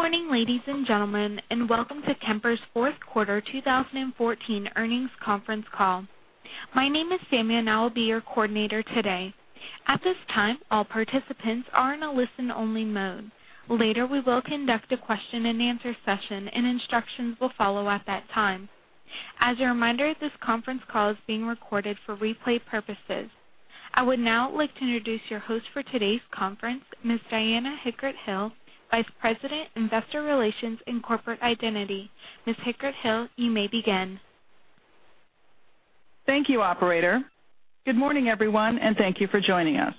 Good morning, ladies and gentlemen, welcome to Kemper's fourth quarter 2014 earnings conference call. My name is Sammy, I will be your coordinator today. At this time, all participants are in a listen-only mode. Later, we will conduct a question-and-answer session, instructions will follow at that time. As a reminder, this conference call is being recorded for replay purposes. I would now like to introduce your host for today's conference, Ms. Diana Hickert-Hill, Vice President, Investor Relations and Corporate Identity. Ms. Hickert-Hill, you may begin. Thank you, operator. Good morning, everyone, thank you for joining us.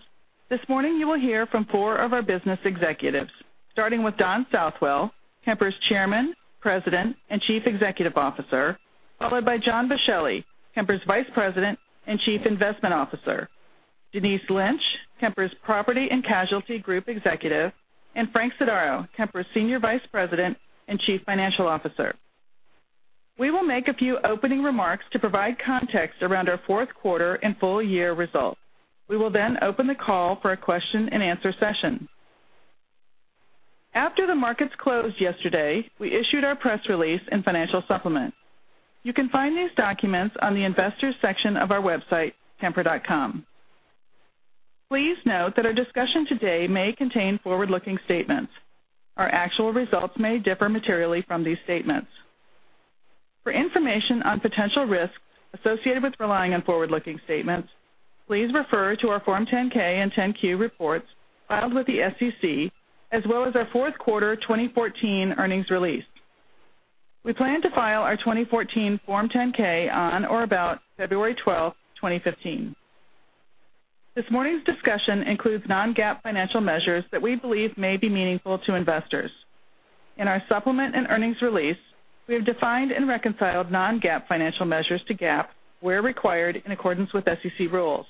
This morning, you will hear from four of our business executives, starting with Don Southwell, Kemper's Chairman, President, and Chief Executive Officer, followed by John Boschelli, Kemper's Vice President and Chief Investment Officer, Denise Lynch, Kemper's Property & Casualty Group Executive, Frank Sodaro, Kemper's Senior Vice President and Chief Financial Officer. We will make a few opening remarks to provide context around our fourth quarter and full year results. We will open the call for a question-and-answer session. After the markets closed yesterday, we issued our press release and financial supplement. You can find these documents on the investors section of our website, kemper.com. Please note that our discussion today may contain forward-looking statements. Our actual results may differ materially from these statements. For information on potential risks associated with relying on forward-looking statements, please refer to our Form 10-K and 10-Q reports filed with the SEC, as well as our fourth quarter 2014 earnings release. We plan to file our 2014 Form 10-K on or about February 12, 2015. This morning's discussion includes non-GAAP financial measures that we believe may be meaningful to investors. In our supplement and earnings release, we have defined and reconciled non-GAAP financial measures to GAAP where required in accordance with SEC rules.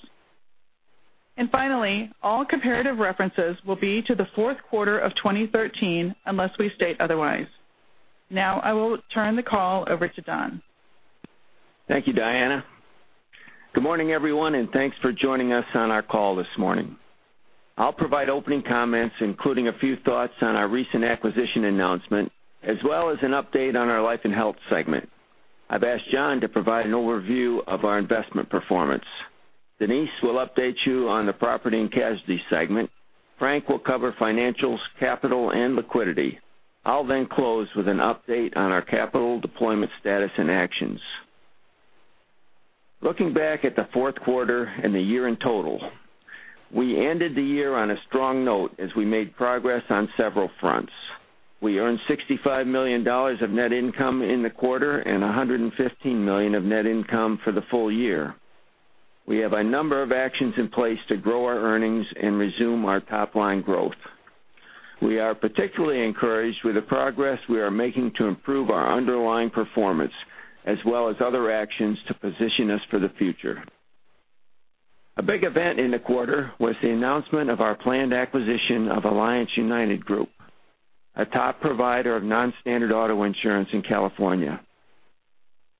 Finally, all comparative references will be to the fourth quarter of 2013 unless we state otherwise. I will turn the call over to Don. Thank you, Diana. Good morning, everyone, thanks for joining us on our call this morning. I'll provide opening comments, including a few thoughts on our recent acquisition announcement, as well as an update on our life and health segment. I've asked John to provide an overview of our investment performance. Denise will update you on the Property & Casualty segment. Frank will cover financials, capital, and liquidity. I'll close with an update on our capital deployment status and actions. Looking back at the fourth quarter and the year in total, we ended the year on a strong note as we made progress on several fronts. We earned $65 million of net income in the quarter and $115 million of net income for the full year. We have a number of actions in place to grow our earnings and resume our top-line growth. We are particularly encouraged with the progress we are making to improve our underlying performance, as well as other actions to position us for the future. A big event in the quarter was the announcement of our planned acquisition of Alliance United Group, a top provider of non-standard auto insurance in California.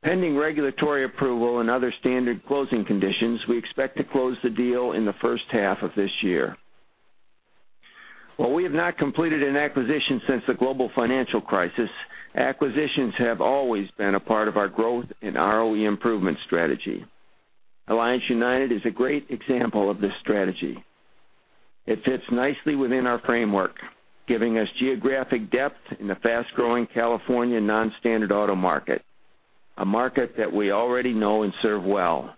Pending regulatory approval and other standard closing conditions, we expect to close the deal in the first half of this year. While we have not completed an acquisition since the global financial crisis, acquisitions have always been a part of our growth and ROE improvement strategy. Alliance United is a great example of this strategy. It fits nicely within our framework, giving us geographic depth in the fast-growing California non-standard auto market, a market that we already know and serve well.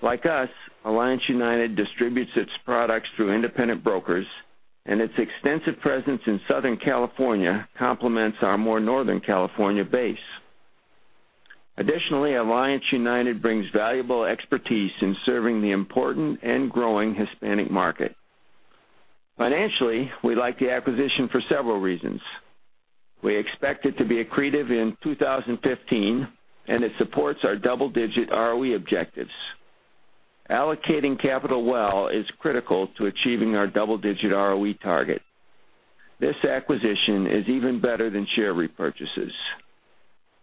Like us, Alliance United distributes its products through independent brokers, and its extensive presence in Southern California complements our more northern California base. Additionally, Alliance United brings valuable expertise in serving the important and growing Hispanic market. Financially, we like the acquisition for several reasons. We expect it to be accretive in 2015, and it supports our double-digit ROE objectives. Allocating capital well is critical to achieving our double-digit ROE target. This acquisition is even better than share repurchases.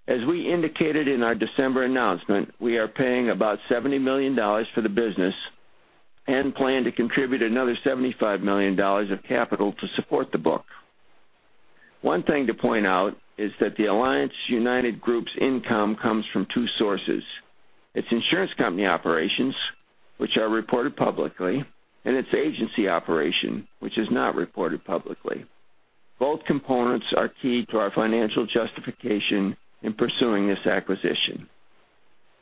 As we indicated in our December announcement, we are paying about $70 million for the business and plan to contribute another $75 million of capital to support the book. One thing to point out is that the Alliance United Group's income comes from two sources, its insurance company operations, which are reported publicly, and its agency operation, which is not reported publicly. Both components are key to our financial justification in pursuing this acquisition.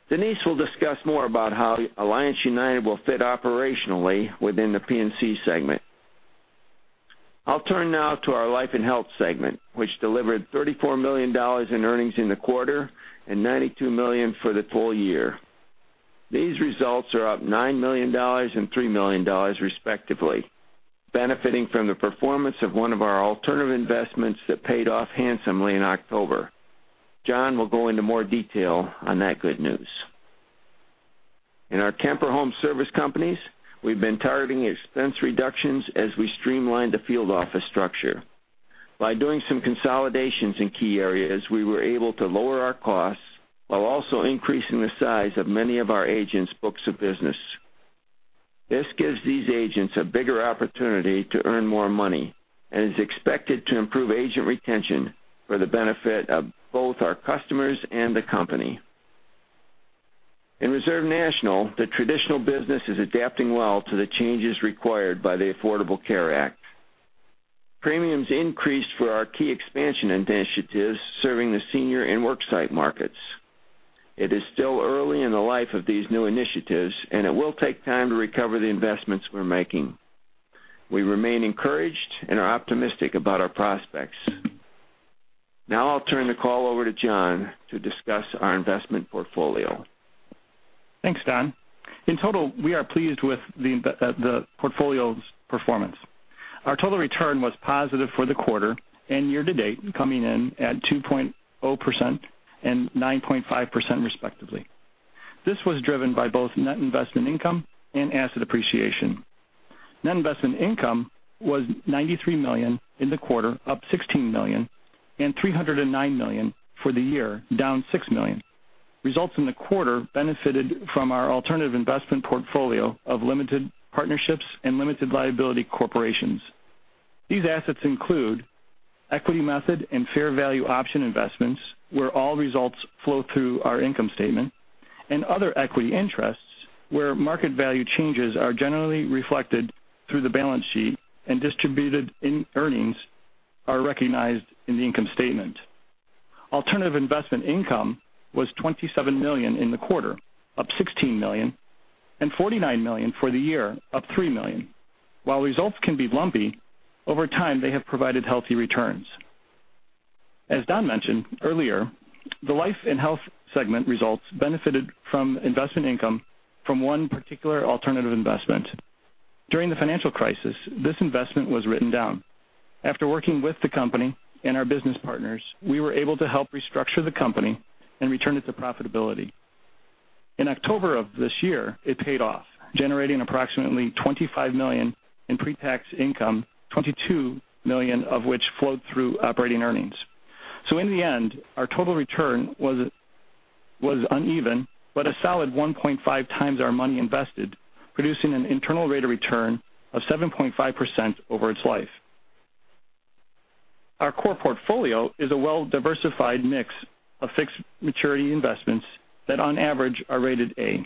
Denise will discuss more about how Alliance United will fit operationally within the P&C segment. I'll turn now to our life and health segment, which delivered $34 million in earnings in the quarter and $92 million for the full year. These results are up $9 million and $3 million respectively, benefitting from the performance of one of our alternative investments that paid off handsomely in October. John will go into more detail on that good news. In our Kemper Home Service companies, we've been targeting expense reductions as we streamlined the field office structure. By doing some consolidations in key areas, we were able to lower our costs while also increasing the size of many of our agents' books of business. This gives these agents a bigger opportunity to earn more money and is expected to improve agent retention for the benefit of both our customers and the company. In Reserve National, the traditional business is adapting well to the changes required by the Affordable Care Act. Premiums increased for our key expansion initiatives serving the senior and work site markets. It is still early in the life of these new initiatives, and it will take time to recover the investments we're making. We remain encouraged and are optimistic about our prospects. I'll turn the call over to John to discuss our investment portfolio. Thanks, Don. In total, we are pleased with the portfolio's performance. Our total return was positive for the quarter and year to date, coming in at 2.0% and 9.5% respectively. This was driven by both net investment income and asset appreciation. Net investment income was $93 million in the quarter, up $16 million, and $309 million for the year, down $6 million. Results in the quarter benefited from our alternative investment portfolio of limited partnerships and limited liability corporations. These assets include equity method and fair value option investments, where all results flow through our income statement, and other equity interests, where market value changes are generally reflected through the balance sheet and distributed in earnings are recognized in the income statement. Alternative investment income was $27 million in the quarter, up $16 million, and $49 million for the year, up $3 million. While results can be lumpy, over time, they have provided healthy returns. As Don mentioned earlier, the life and health segment results benefited from investment income from one particular alternative investment. During the financial crisis, this investment was written down. After working with the company and our business partners, we were able to help restructure the company and return it to profitability. In October of this year, it paid off, generating approximately $25 million in pre-tax income, $22 million of which flowed through operating earnings. In the end, our total return was uneven, but a solid 1.5 times our money invested, producing an internal rate of return of 7.5% over its life. Our core portfolio is a well-diversified mix of fixed maturity investments that on average are rated A.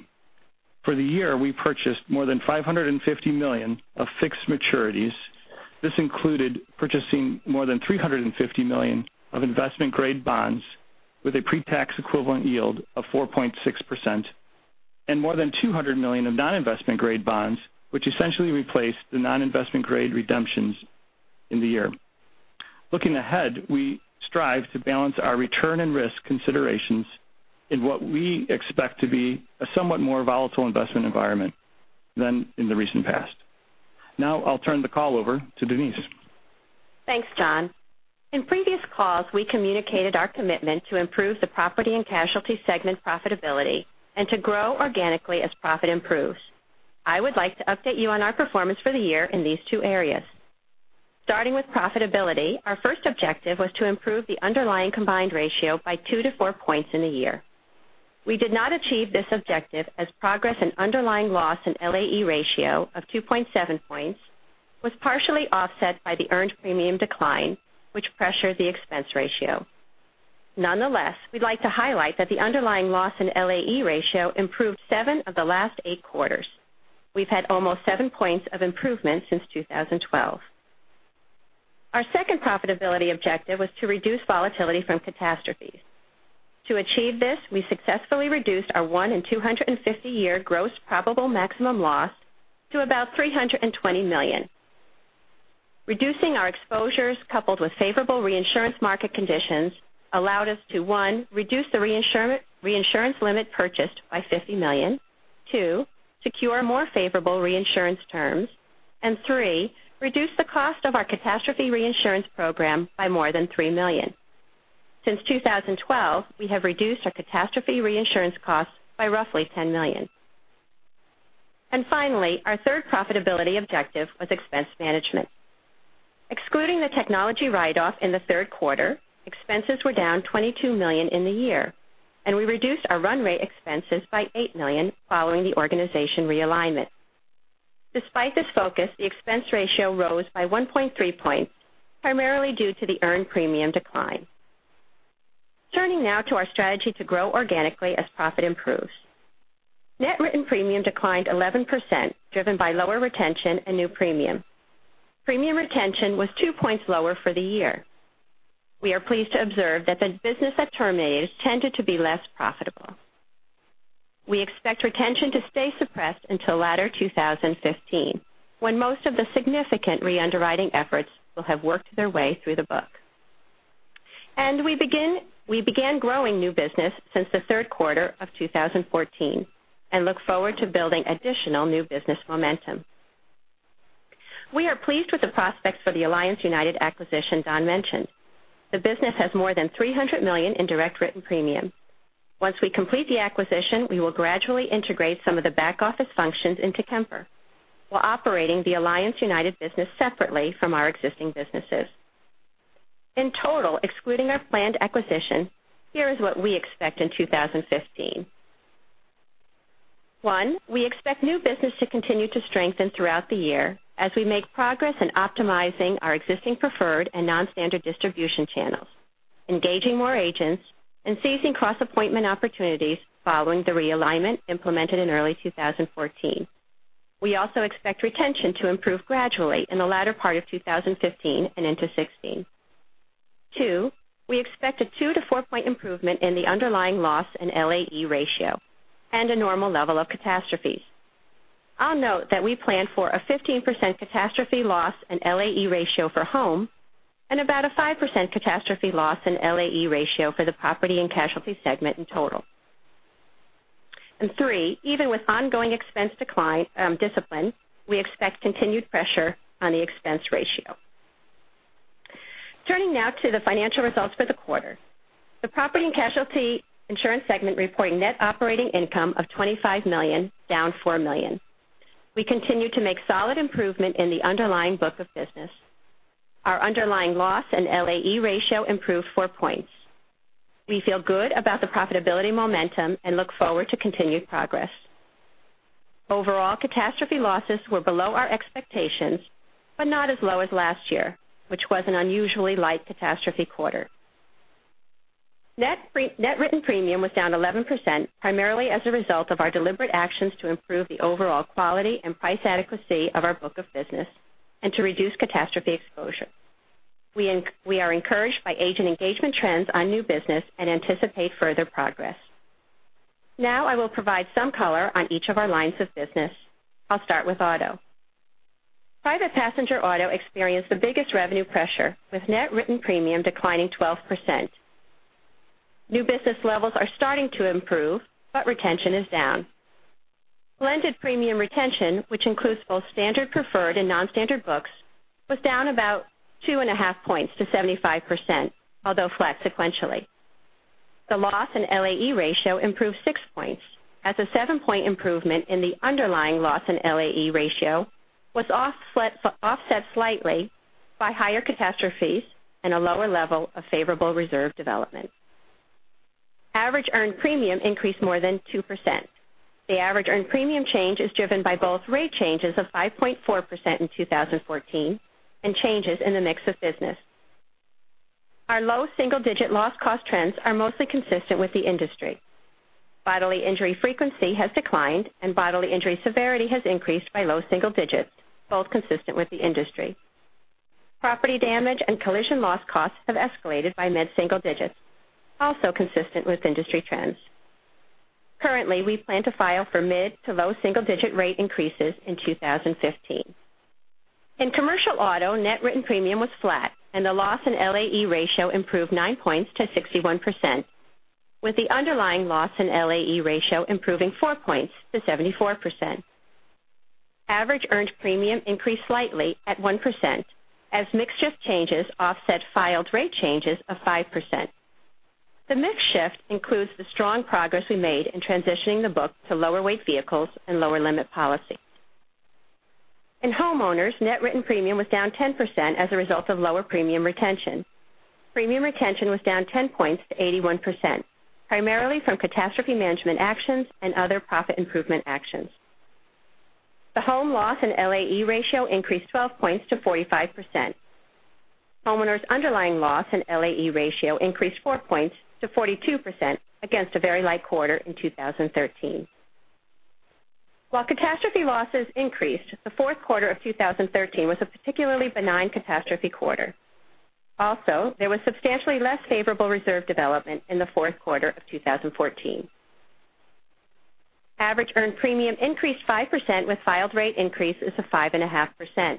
For the year, we purchased more than $550 million of fixed maturities. This included purchasing more than $350 million of investment-grade bonds with a pre-tax equivalent yield of 4.6% and more than $200 million of non-investment grade bonds, which essentially replaced the non-investment grade redemptions in the year. Looking ahead, we strive to balance our return and risk considerations in what we expect to be a somewhat more volatile investment environment than in the recent past. Now I'll turn the call over to Denise. Thanks, John. In previous calls, we communicated our commitment to improve the property and casualty segment profitability and to grow organically as profit improves. I would like to update you on our performance for the year in these two areas. Starting with profitability, our first objective was to improve the underlying combined ratio by two to four points in a year. We did not achieve this objective as progress in underlying loss and LAE ratio of 2.7 points was partially offset by the earned premium decline, which pressured the expense ratio. Nonetheless, we'd like to highlight that the underlying loss in LAE ratio improved seven of the last eight quarters. We've had almost seven points of improvement since 2012. Our second profitability objective was to reduce volatility from catastrophes. To achieve this, we successfully reduced our one in 250-year gross probable maximum loss to about $320 million. Reducing our exposures coupled with favorable reinsurance market conditions allowed us to, one, reduce the reinsurance limit purchased by $50 million, two, secure more favorable reinsurance terms, and three, reduce the cost of our catastrophe reinsurance program by more than $3 million. Since 2012, we have reduced our catastrophe reinsurance costs by roughly $10 million. Finally, our third profitability objective was expense management. Excluding the technology write-off in the third quarter, expenses were down $22 million in the year, we reduced our run rate expenses by $8 million following the organization realignment. Despite this focus, the expense ratio rose by 1.3 points, primarily due to the earned premium decline. Turning now to our strategy to grow organically as profit improves. Net written premium declined 11%, driven by lower retention and new premium. Premium retention was two points lower for the year. We are pleased to observe that the business that terminated tended to be less profitable. We expect retention to stay suppressed until latter 2015, when most of the significant re-underwriting efforts will have worked their way through the book. We began growing new business since the third quarter of 2014 and look forward to building additional new business momentum. We are pleased with the prospects for the Alliance United acquisition Don mentioned. The business has more than $300 million in direct written premium. Once we complete the acquisition, we will gradually integrate some of the back-office functions into Kemper while operating the Alliance United business separately from our existing businesses. In total, excluding our planned acquisition, here is what we expect in 2015. One, we expect new business to continue to strengthen throughout the year as we make progress in optimizing our existing preferred and non-standard distribution channels, engaging more agents, and seizing cross-appointment opportunities following the realignment implemented in early 2014. We also expect retention to improve gradually in the latter part of 2015 and into 2016. Two, we expect a two to four-point improvement in the underlying loss in LAE ratio and a normal level of catastrophes. I'll note that we plan for a 15% catastrophe loss in LAE ratio for home and about a 5% catastrophe loss in LAE ratio for the property and casualty segment in total. Three, even with ongoing expense discipline, we expect continued pressure on the expense ratio. Turning now to the financial results for the quarter. The property and casualty insurance segment reporting net operating income of $25 million, down $4 million. We continue to make solid improvement in the underlying book of business. Our underlying loss and LAE ratio improved four points. We feel good about the profitability momentum and look forward to continued progress. Overall catastrophe losses were below our expectations, but not as low as last year, which was an unusually light catastrophe quarter. Net written premium was down 11%, primarily as a result of our deliberate actions to improve the overall quality and price adequacy of our book of business and to reduce catastrophe exposure. We are encouraged by agent engagement trends on new business and anticipate further progress. Now I will provide some color on each of our lines of business. I'll start with auto. Private passenger auto experienced the biggest revenue pressure, with net written premium declining 12%. New business levels are starting to improve, but retention is down. Blended premium retention, which includes both standard preferred and non-standard books, was down about two and a half points to 75%, although flat sequentially. The loss in LAE ratio improved six points as a seven-point improvement in the underlying loss in LAE ratio was offset slightly by higher catastrophes and a lower level of favorable reserve development. Average earned premium increased more than 2%. The average earned premium change is driven by both rate changes of 5.4% in 2014 and changes in the mix of business. Our low double-digit loss cost trends are mostly consistent with the industry. Bodily injury frequency has declined, and bodily injury severity has increased by low single digits, both consistent with the industry. Property damage and collision loss costs have escalated by mid-single digits, also consistent with industry trends. Currently, we plan to file for mid to low single-digit rate increases in 2015. In commercial auto, net written premium was flat and the loss in LAE ratio improved nine points to 61%, with the underlying loss in LAE ratio improving four points to 74%. Average earned premium increased slightly at 1% as mix shift changes offset filed rate changes of 5%. The mix shift includes the strong progress we made in transitioning the book to lower weight vehicles and lower limit policy. In homeowners, net written premium was down 10% as a result of lower premium retention. Premium retention was down 10 points to 81%, primarily from catastrophe management actions and other profit improvement actions. The home loss and LAE ratio increased 12 points to 45%. Homeowners' underlying loss and LAE ratio increased four points to 42% against a very light quarter in 2013. While catastrophe losses increased, the fourth quarter of 2013 was a particularly benign catastrophe quarter. Also, there was substantially less favorable reserve development in the fourth quarter of 2014. Average earned premium increased 5% with filed rate increases of 5.5%. We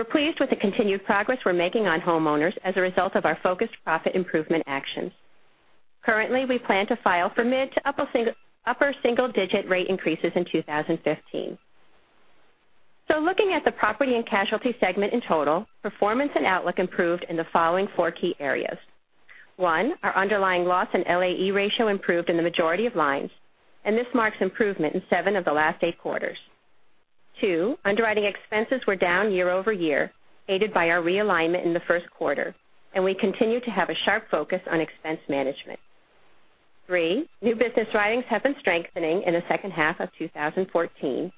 are pleased with the continued progress we are making on homeowners as a result of our focused profit improvement actions. Currently, we plan to file for mid to upper single digit rate increases in 2015. Looking at the property and casualty segment in total, performance and outlook improved in the following four key areas. One, our underlying loss and LAE ratio improved in the majority of lines, and this marks improvement in seven of the last eight quarters. Two, underwriting expenses were down year-over-year, aided by our realignment in the first quarter, and we continue to have a sharp focus on expense management. Three, new business writings have been strengthening in the second half of 2014.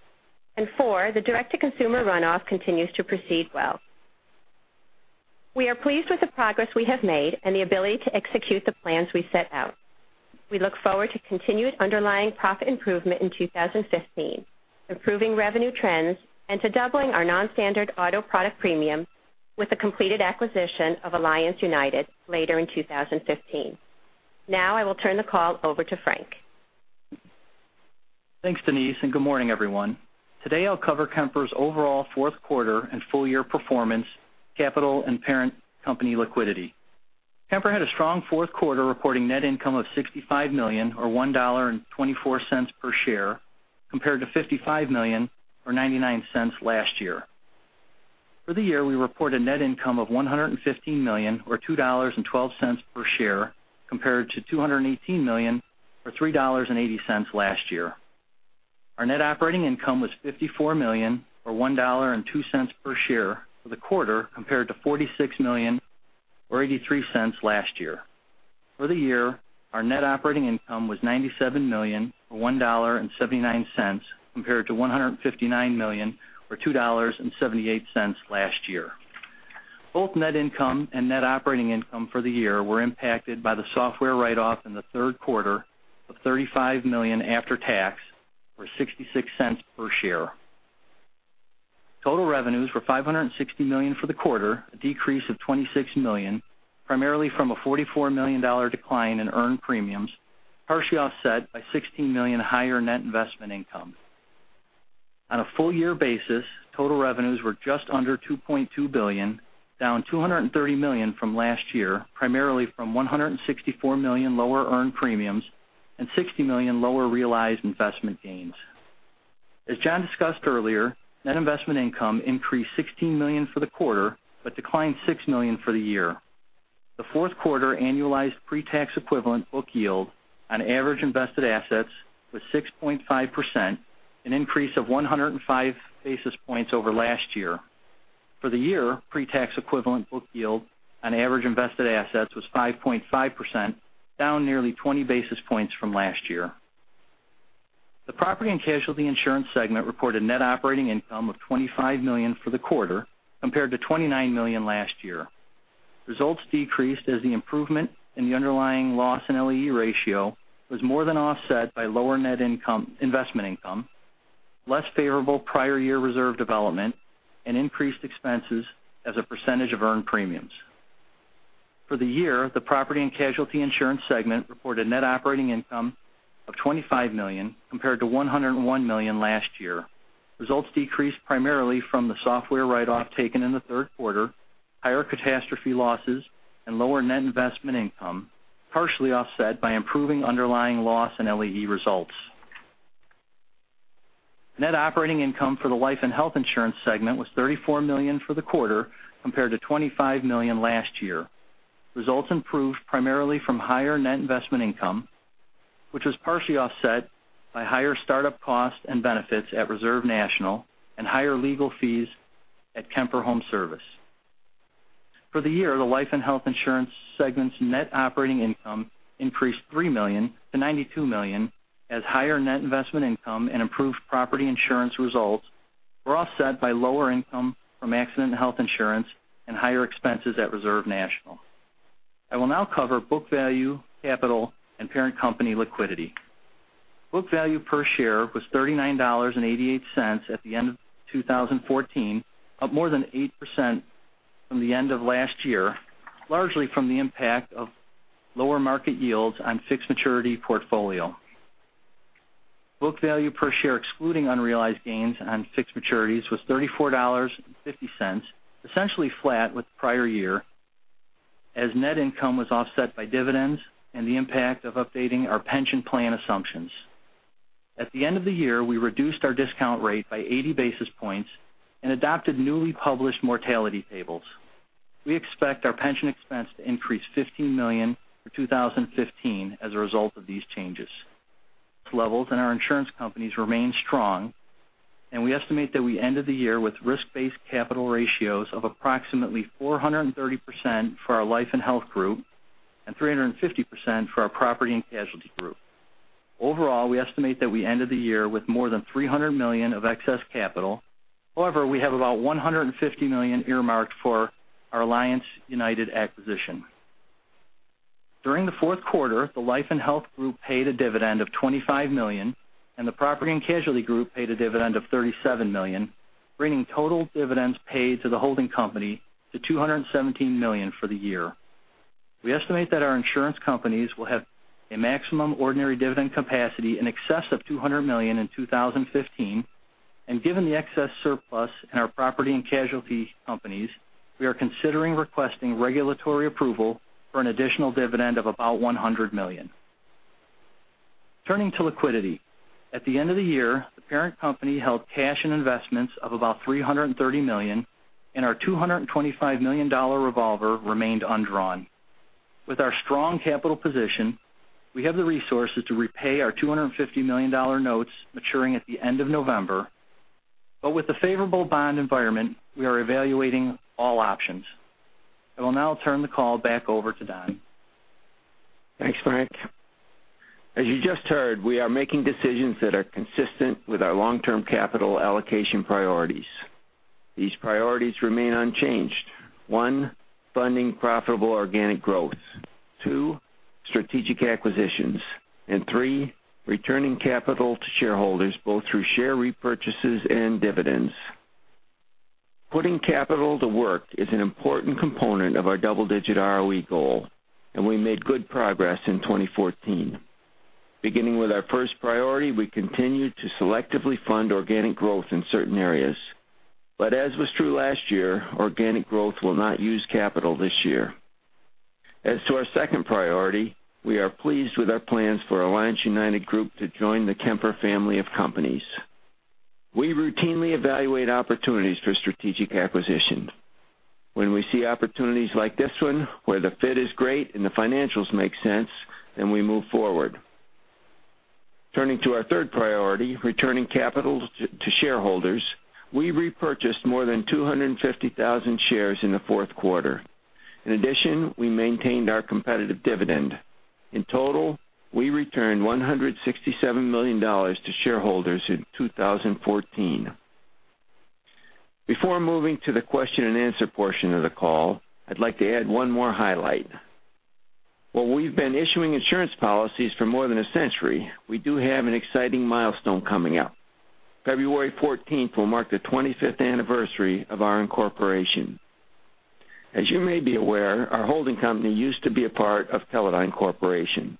Four, the direct-to-consumer runoff continues to proceed well. We are pleased with the progress we have made and the ability to execute the plans we set out. We look forward to continued underlying profit improvement in 2015, improving revenue trends, and to doubling our non-standard auto product premium with the completed acquisition of Alliance United later in 2015. Now I will turn the call over to Frank. Thanks, Denise, and good morning, everyone. Today, I'll cover Kemper's overall fourth quarter and full year performance, capital, and parent company liquidity. Kemper had a strong fourth quarter, reporting net income of $65 million, or $1.24 per share, compared to $55 million, or $0.99 last year. For the year, we report a net income of $115 million, or $2.12 per share, compared to $218 million, or $3.80 last year. Our net operating income was $54 million, or $1.02 per share for the quarter compared to $46 million, or $0.83 last year. For the year, our net operating income was $97 million, or $1.79 compared to $159 million, or $2.78 last year. Both net income and net operating income for the year were impacted by the software write-off in the third quarter of $35 million after tax, or $0.66 per share. Total revenues were $560 million for the quarter, a decrease of $26 million, primarily from a $44 million decline in earned premiums, partially offset by $16 million higher net investment income. On a full year basis, total revenues were just under $2.2 billion, down $230 million from last year, primarily from $164 million lower earned premiums and $60 million lower realized investment gains. As John discussed earlier, net investment income increased $16 million for the quarter but declined $6 million for the year. The fourth quarter annualized pre-tax equivalent book yield on average invested assets was 6.5%, an increase of 105 basis points over last year. For the year, pre-tax equivalent book yield on average invested assets was 5.5%, down nearly 20 basis points from last year. The Property and Casualty Insurance segment reported net operating income of $25 million for the quarter compared to $29 million last year. Results decreased as the improvement in the underlying loss and LAE ratio was more than offset by lower net investment income, less favorable prior year reserve development, and increased expenses as a percentage of earned premiums. For the year, the Property and Casualty Insurance segment reported net operating income of $25 million compared to $101 million last year. Results decreased primarily from the software write-off taken in the third quarter, higher catastrophe losses and lower net investment income, partially offset by improving underlying loss in LAE results. Net operating income for the Life and Health Insurance segment was $34 million for the quarter compared to $25 million last year. Results improved primarily from higher net investment income, which was partially offset by higher startup costs and benefits at Reserve National and higher legal fees at Kemper Home Service. For the year, the Life and Health Insurance segment's net operating income increased $3 million to $92 million as higher net investment income and improved property insurance results were offset by lower income from accident and health insurance and higher expenses at Reserve National. I will now cover book value, capital, and parent company liquidity. Book value per share was $39.88 at the end of 2014, up more than 8% from the end of last year, largely from the impact of lower market yields on fixed maturity portfolio. Book value per share excluding unrealized gains on fixed maturities was $34.50, essentially flat with prior year as net income was offset by dividends and the impact of updating our pension plan assumptions. At the end of the year, we reduced our discount rate by 80 basis points and adopted newly published mortality tables. We expect our pension expense to increase $15 million for 2015 as a result of these changes. We estimate that we ended the year with risk-based capital ratios of approximately 430% for our life and health group and 350% for our property and casualty group. Overall, we estimate that we ended the year with more than $300 million of excess capital. We have about $150 million earmarked for our Alliance United acquisition. During the fourth quarter, the life and health group paid a dividend of $25 million. The property and casualty group paid a dividend of $37 million, bringing total dividends paid to the holding company to $217 million for the year. We estimate that our insurance companies will have a maximum ordinary dividend capacity in excess of $200 million in 2015. Given the excess surplus in our property and casualty companies, we are considering requesting regulatory approval for an additional dividend of about $100 million. Turning to liquidity. At the end of the year, the parent company held cash and investments of about $330 million, and our $225 million revolver remained undrawn. With our strong capital position, we have the resources to repay our $250 million notes maturing at the end of November. With the favorable bond environment, we are evaluating all options. I will now turn the call back over to Don. Thanks, Frank. As you just heard, we are making decisions that are consistent with our long-term capital allocation priorities. These priorities remain unchanged. One, funding profitable organic growth. Two, strategic acquisitions. Three, returning capital to shareholders both through share repurchases and dividends. Putting capital to work is an important component of our double-digit ROE goal. We made good progress in 2014. Beginning with our first priority, we continued to selectively fund organic growth in certain areas. As was true last year, organic growth will not use capital this year. As to our second priority, we are pleased with our plans for Alliance United Group to join the Kemper family of companies. We routinely evaluate opportunities for strategic acquisition. When we see opportunities like this one, where the fit is great and the financials make sense, we move forward. Turning to our third priority, returning capital to shareholders, we repurchased more than 250,000 shares in the fourth quarter. In addition, we maintained our competitive dividend. In total, we returned $167 million to shareholders in 2014. Before moving to the question and answer portion of the call, I'd like to add one more highlight. While we've been issuing insurance policies for more than a century, we do have an exciting milestone coming up. February 14th will mark the 25th anniversary of our incorporation. As you may be aware, our holding company used to be a part of Teledyne, Inc.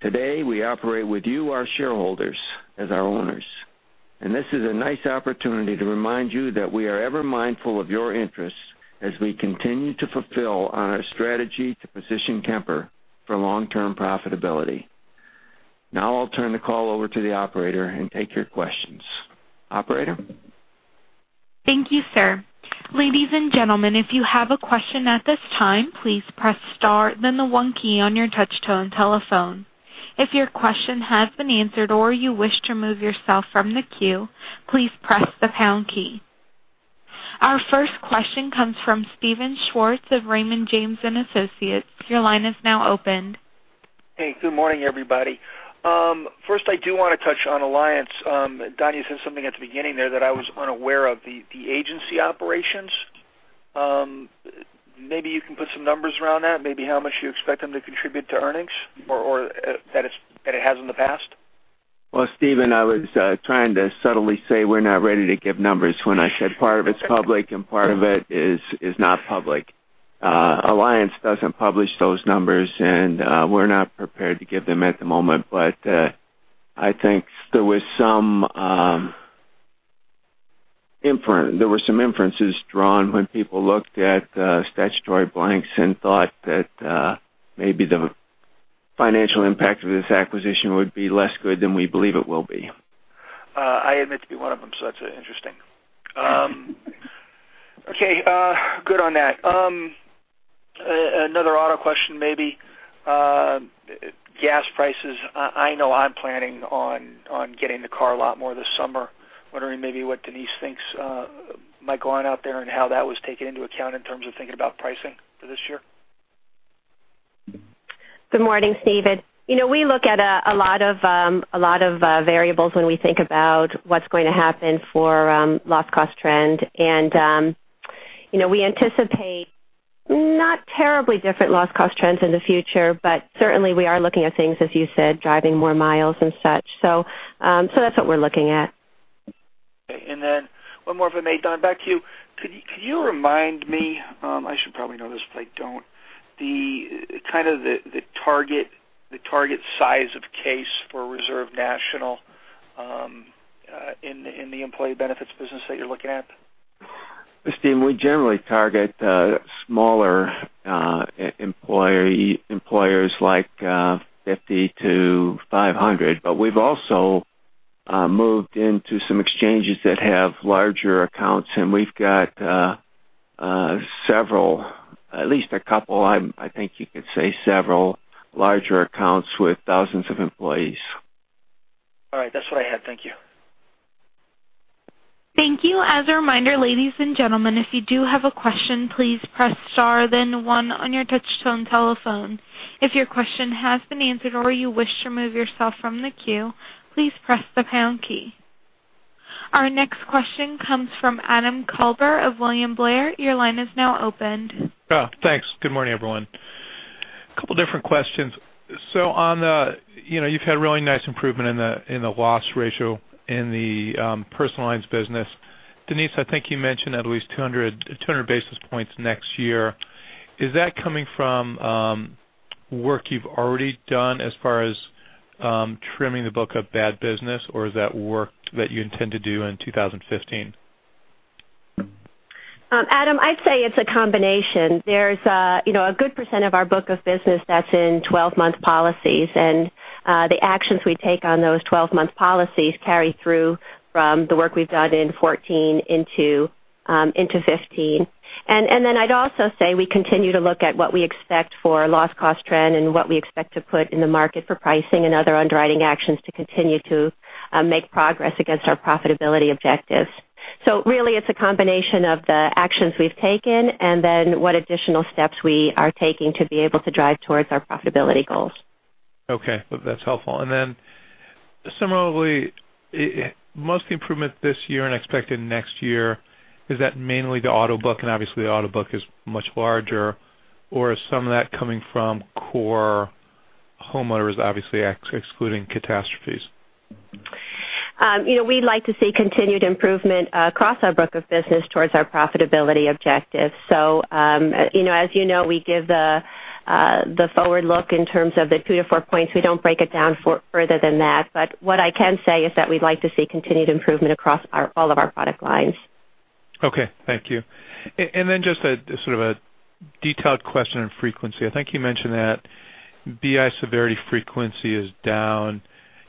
Today, we operate with you, our shareholders, as our owners. This is a nice opportunity to remind you that we are ever mindful of your interests as we continue to fulfill on our strategy to position Kemper for long-term profitability. I'll turn the call over to the operator and take your questions. Operator? Thank you, sir. Ladies and gentlemen, if you have a question at this time, please press star then the 1 key on your touch-tone telephone. If your question has been answered or you wish to remove yourself from the queue, please press the pound key. Our first question comes from Steven Schwartz of Raymond James & Associates. Your line is now open. Hey, good morning, everybody. I do want to touch on Alliance. Don, you said something at the beginning there that I was unaware of, the agency operations. Maybe you can put some numbers around that, maybe how much you expect them to contribute to earnings or that it has in the past. Well, Steven, I was trying to subtly say we're not ready to give numbers when I said part of it's public and part of it is not public. Alliance doesn't publish those numbers, and we're not prepared to give them at the moment. I think there were some inferences drawn when people looked at statutory blanks and thought that maybe the financial impact of this acquisition would be less good than we believe it will be. I admit to be one of them. That's interesting. Okay. Good on that. Another auto question, maybe. Gas prices. I know I'm planning on getting the car a lot more this summer. Wondering maybe what Denise thinks might go on out there and how that was taken into account in terms of thinking about pricing for this year. Good morning, Steven. We look at a lot of variables when we think about what's going to happen for loss cost trend. We anticipate not terribly different loss cost trends in the future, but certainly, we are looking at things, as you said, driving more miles and such. That's what we're looking at. Okay, one more, if I may. Don, back to you. Could you remind me, I should probably know this, but I don't, the target size of case for Reserve National in the employee benefits business that you're looking at? Steve, we generally target smaller employers like 50-500. We've also moved into some exchanges that have larger accounts, and we've got several, at least a couple, I think you could say several larger accounts with thousands of employees. All right. That's what I had. Thank you. Thank you. As a reminder, ladies and gentlemen, if you do have a question, please press star then one on your touch-tone telephone. If your question has been answered or you wish to remove yourself from the queue, please press the pound key. Our next question comes from Adam Klauber of William Blair. Your line is now opened. Thanks. Good morning, everyone. Couple different questions. You've had really nice improvement in the loss ratio in the personal lines business. Denise, I think you mentioned at least 200 basis points next year. Is that coming from work you've already done as far as trimming the book of bad business, or is that work that you intend to do in 2015? Adam, I'd say it's a combination. There's a good percent of our book of business that's in 12-month policies, and the actions we take on those 12-month policies carry through from the work we've done in 2014 into 2015. Then I'd also say we continue to look at what we expect for loss cost trend and what we expect to put in the market for pricing and other underwriting actions to continue to make progress against our profitability objectives. Really, it's a combination of the actions we've taken and then what additional steps we are taking to be able to drive towards our profitability goals. Similarly, most improvement this year and expected next year, is that mainly the auto book, and obviously, the auto book is much larger, or is some of that coming from core homeowners, obviously excluding catastrophes? We'd like to see continued improvement across our book of business towards our profitability objectives. As you know, we give the forward look in terms of the two to four points. We don't break it down further than that. What I can say is that we'd like to see continued improvement across all of our product lines. Okay. Thank you. Just a sort of a detailed question on frequency. I think you mentioned that BI severity frequency is down.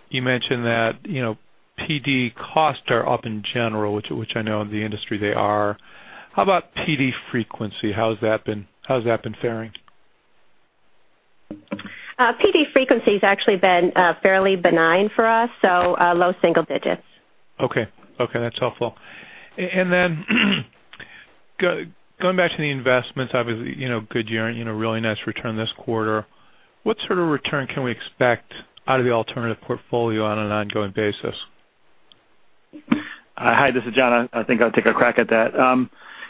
You mentioned that PD costs are up in general, which I know in the industry they are. How about PD frequency? How has that been faring? PD frequency's actually been fairly benign for us, so low single digits. Okay. That's helpful. Going back to the investments, obviously, good year and a really nice return this quarter. What sort of return can we expect out of the alternative portfolio on an ongoing basis? Hi, this is John. I think I'll take a crack at that.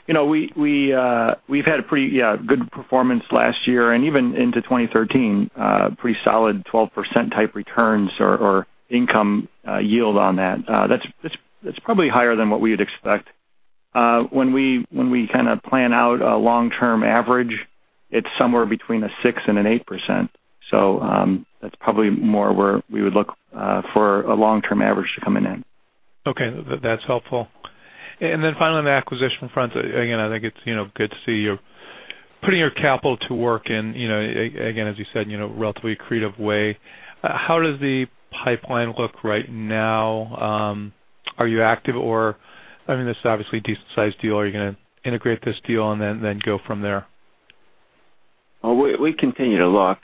We've had a pretty good performance last year and even into 2013, pretty solid 12%-type returns or income yield on that. That's probably higher than what we would expect. When we kind of plan out a long-term average, it's somewhere between a 6% and an 8%, that's probably more where we would look for a long-term average to come in. Okay. That's helpful. Finally, on the acquisition front, again, I think it's good to see you putting your capital to work in, again, as you said, relatively creative way. How does the pipeline look right now? Are you active or, I mean, this is obviously a decent-sized deal. Are you going to integrate this deal and then go from there? Well, we continue to look.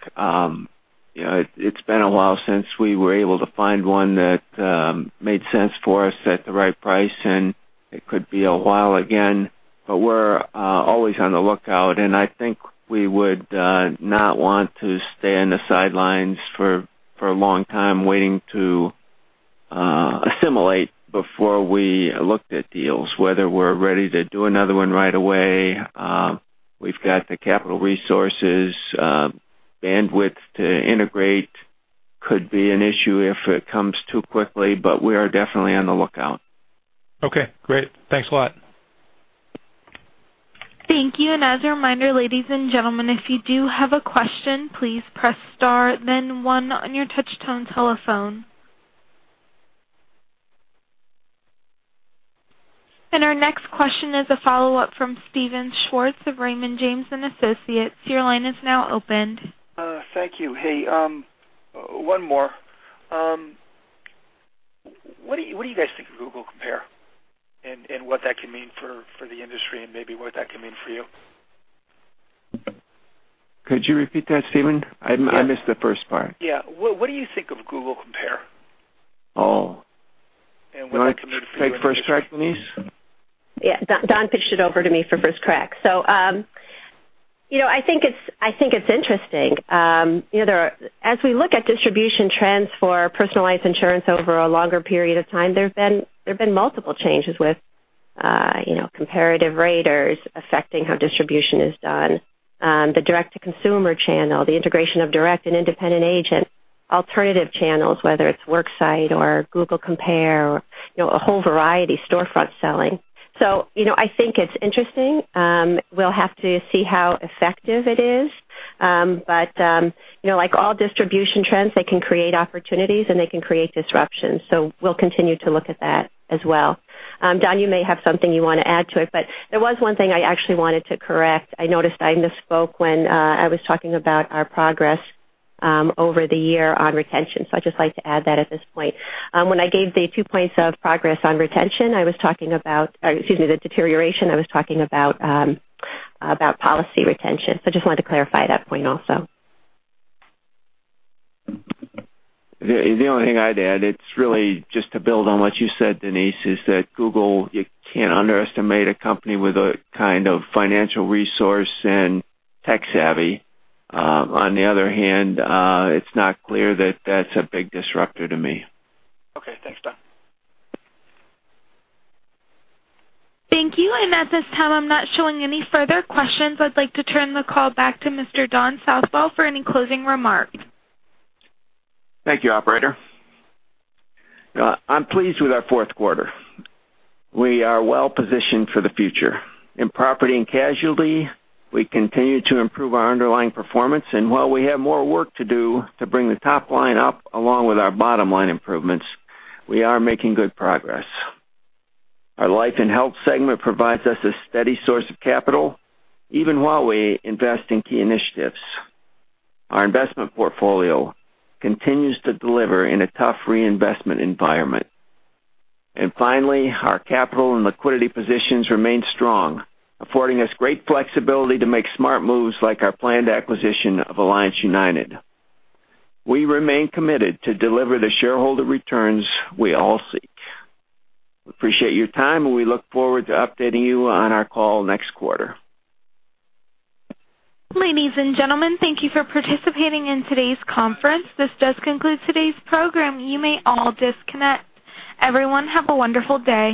It's been a while since we were able to find one that made sense for us at the right price, it could be a while again. We're always on the lookout, and I think we would not want to stay on the sidelines for a long time waiting to assimilate before we looked at deals, whether we're ready to do another one right away. We've got the capital resources. Bandwidth to integrate could be an issue if it comes too quickly, but we are definitely on the lookout. Okay, great. Thanks a lot. Thank you. As a reminder, ladies and gentlemen, if you do have a question, please press star then one on your touchtone telephone. Our next question is a follow-up from Steven Schwartz of Raymond James & Associates. Your line is now opened. Thank you. Hey, one more. What do you guys think of Google Compare and what that can mean for the industry and maybe what that can mean for you? Could you repeat that, Steven? I missed the first part. Yeah. What do you think of Google Compare? Oh. What that can mean for you? You want to take first crack, Denise? Yeah, Don pitched it over to me for first crack. I think it's interesting. As we look at distribution trends for personal lines insurance over a longer period of time, there have been multiple changes with comparative raters affecting how distribution is done. The direct-to-consumer channel, the integration of direct and independent agent alternative channels, whether it's work site or Google Compare or a whole variety, storefront selling. I think it's interesting. We'll have to see how effective it is. Like all distribution trends, they can create opportunities, and they can create disruptions. We'll continue to look at that as well. Don, you may have something you want to add to it, but there was one thing I actually wanted to correct. I noticed I misspoke when I was talking about our progress over the year on retention. I'd just like to add that at this point. When I gave the two points of progress on retention, I was talking about, or excuse me, the deterioration, I was talking about policy retention. I just wanted to clarify that point also. The only thing I'd add, it's really just to build on what you said, Denise, is that Google, you can't underestimate a company with a kind of financial resource and tech savvy. On the other hand, it's not clear that that's a big disruptor to me. Okay. Thanks, Don. Thank you. At this time, I'm not showing any further questions. I'd like to turn the call back to Mr. Don Southwell for any closing remarks. Thank you, operator. I'm pleased with our fourth quarter. We are well-positioned for the future. In property and casualty, we continue to improve our underlying performance, while we have more work to do to bring the top line up along with our bottom-line improvements, we are making good progress. Our life and health segment provides us a steady source of capital, even while we invest in key initiatives. Our investment portfolio continues to deliver in a tough reinvestment environment. Finally, our capital and liquidity positions remain strong, affording us great flexibility to make smart moves like our planned acquisition of Alliance United. We remain committed to deliver the shareholder returns we all seek. We appreciate your time, and we look forward to updating you on our call next quarter. Ladies and gentlemen, thank you for participating in today's conference. This does conclude today's program. You may all disconnect. Everyone, have a wonderful day